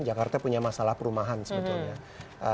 jakarta punya masalah perumahan sebetulnya